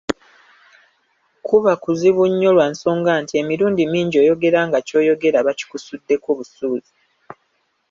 Kuba kuzibu nnyo lwa nsonga nti emirundi mingi oyogera nga ky'oyogera bakikisuddeko busuuzi.